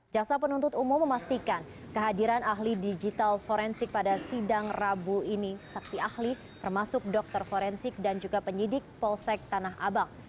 jaksa penuntut umum memastikan kehadiran ahli digital forensik pada sidang rabu ini saksi ahli termasuk dokter forensik dan juga penyidik polsek tanah abang